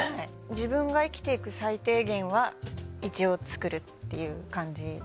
自分が生きて行く最低限は一応作るっていう感じで。